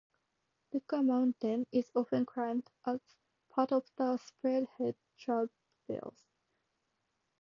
Decker Mountain is often climbed as part of the "Spearhead Traverse".